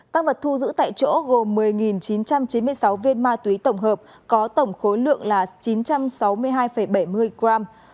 tăng vật thu giữ tại chỗ gồm một mươi chín trăm chín mươi sáu viên ma túy tổng hợp có tổng khối lượng là chín trăm sáu mươi hai bảy mươi gram